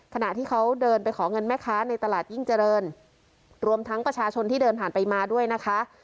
ขณะที่เขาเดินไปขอเงินแม่ค้าในตลาดยิ่งเจริญรวมทั้งประชาชนที่เดินผ่านไปมาด้วยนะคะ